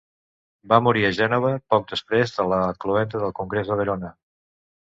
Va morir a Gènova poc després de la cloenda del Congrés de Verona.